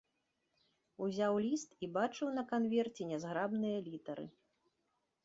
Узяў ліст і бачыў на канверце нязграбныя літары.